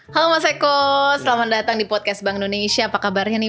halo mas eko selamat datang di podcast bank indonesia apa kabarnya nih